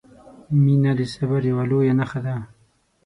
• مینه د صبر یوه لویه نښه ده.